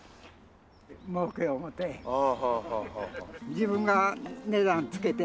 自分が値段つけて。